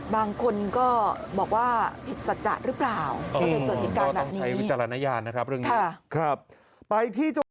บางคนก็บอกว่าผิดสัจจัดหรือเปล่ามันเป็นส่วนผิดการแบบนี้ต้องใช้วิจารณญาณนะครับเรื่องนี้